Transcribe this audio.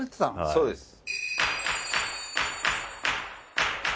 そうですね。